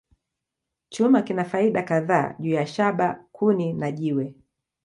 Chuma kina faida kadhaa juu ya shaba, kuni, na jiwe.